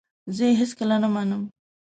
زه یې هیڅکله نه منم !